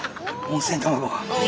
温泉卵。